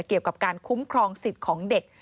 เกี่ยวกับการคุ้มครองสิทธิ์ของเด็ก